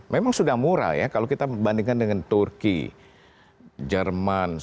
memang sudah murah ya kalau kita bandingkan dengan turki jerman